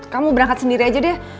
kamu berangkat sendiri aja deh